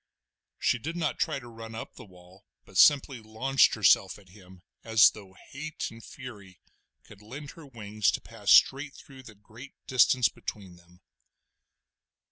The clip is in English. She did not try to run up the wall, but simply launched herself at him as though hate and fury could lend her wings to pass straight through the great distance between them.